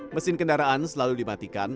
mesin kendaraan selalu dimatikan